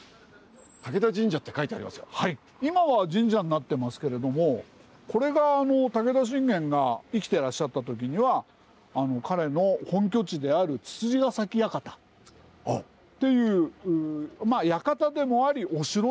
今は神社になってますけれどもこれが武田信玄が生きてらっしゃった時には彼の本拠地である躑躅ヶ崎館というまあ館でもありお城でもあったところなんです。